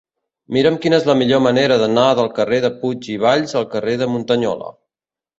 Mira'm quina és la millor manera d'anar del carrer de Puig i Valls al carrer de Muntanyola.